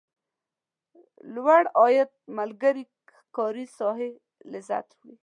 لوړ عاید ملګري کاري ساحې لذت وړي.